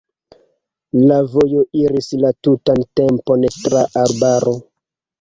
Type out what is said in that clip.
La vojo iris la tutan tempon tra arbaro.